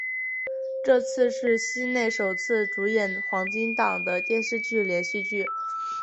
这次是西内首次主演黄金档的电视连续剧。